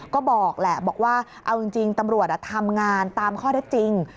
ก็บอกแหละบอกว่าเอาจริงตำรวจทำงานตามข้อได้จริง